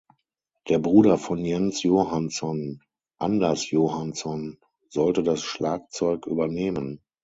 Der Bruder von Jens Johansson, Anders Johansson, sollte das Schlagzeug übernehmen.